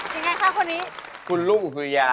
ยังไงคะคนนี้คุณรุ่งสุริยา